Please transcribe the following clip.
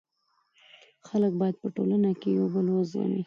خلک باید په ټولنه کي یو بل و زغمي.